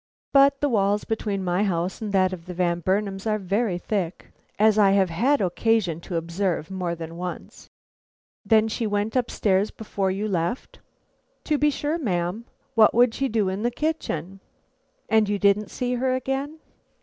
But the walls between my house and that of the Van Burnams are very thick, as I have had occasion to observe more than once. "Then she went up stairs before you left?" "To be sure, ma'am; what would she do in the kitchen?" "And you didn't see her again?"